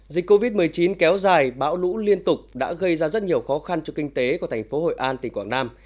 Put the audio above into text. dịch covid một mươi chín kéo dài bão lũ liên tục đã gây ra rất nhiều khó khăn cho kinh tế của thành phố hội an tỉnh quảng nam